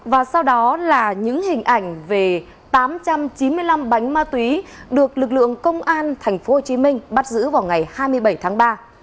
và sau đó là những hình ảnh về tám trăm chín mươi năm bánh ma túy được lực lượng công an tp hcm bắt giữ vào ngày hai mươi bảy tháng ba